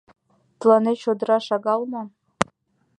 Тыланет чодыра шагал мо?